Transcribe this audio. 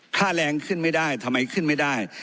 ค่าแรงขึ้นไม่ได้ทำไมขึ้นไม่ได้